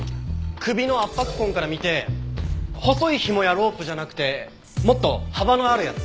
首の圧迫痕から見て細いひもやロープじゃなくてもっと幅のあるやつ。